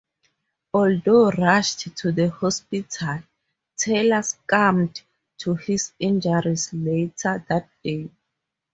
Although rushed to the hospital, Taylor succumbed to his injuries later that day.